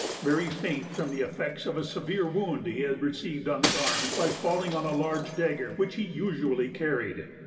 very faint from the effects of a severe wound he had received on the arm by falling on a large dagger which he usually carried.